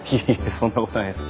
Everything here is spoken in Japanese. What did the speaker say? そんなことないです。